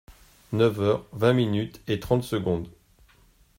Neuf heures vingt minutes et trente secondes.